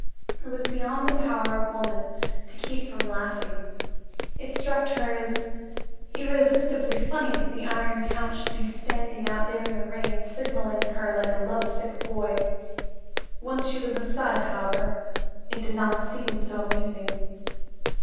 It was beyond the power of woman to keep from laughing. It struck her as irresistibly funny that the Iron Count should be standing out there in the rain, signaling to her like a love sick boy. Once she was inside, however, it did not seem so amusing.